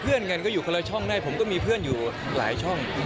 เพื่อนกันก็อยู่คนละช่องได้ผมก็มีเพื่อนอยู่หลายช่อง